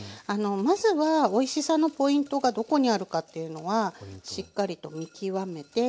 まずはおいしさのポイントがどこにあるかっていうのはしっかりと見極めて。